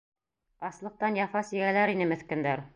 Аслыҡтан яфа сигәләр ине меҫкендәр.